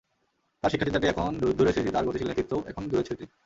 তাঁর শিক্ষাচিন্তাটি এখন দূরের স্মৃতি, তাঁর গতিশীল নেতৃত্বও এখন দূরের স্মৃতি।